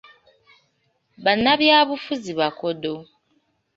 Bannabyabufuzi bakodo.